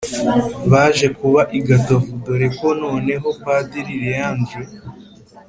baje kuba i gatovu dore ko noneho padiri leandre